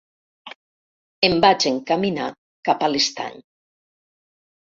Em vaig encaminar cap a l'estany.